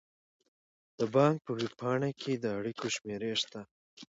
د بانک په ویب پاڼه کې د اړیکو شمیرې شته.